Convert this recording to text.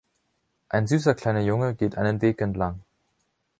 Ein süßer kleiner Junge geht einen Weg entlang.